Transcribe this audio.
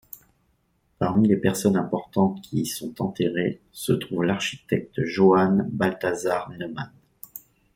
Parmi les personnes importantes qui y sont enterrées se trouve l'architecte Johann Balthasar Neumann.